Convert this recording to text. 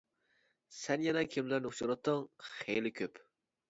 سەن يەنە كىملەرنى ئۇچراتتىڭ! ؟ خېلى كۆپ.